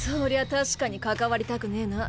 確かに関わりたくねえな。